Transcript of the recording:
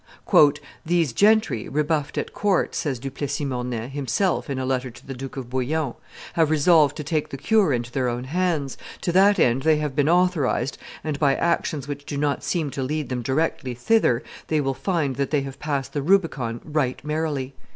"These gentry, rebuffed at court," says Du Plessis Mornay himself in a letter to the Duke of Bouillon, "have resolved to take the cure into their own hands; to that end they have been authorized, and by actions which do not seem to lead them directly thither they will find that they have passed the Rubicon right merrily."